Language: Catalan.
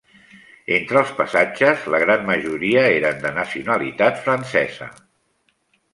Entre els passatges, la gran majoria eren de nacionalitat francesa.